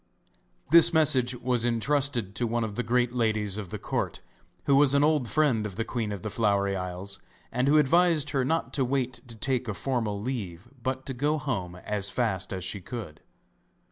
This message was entrusted to one of the great ladies of the court, who was an old friend of the Queen of the Flowery Isles, and who advised her not to wait to take a formal leave but to go home as fast as she could.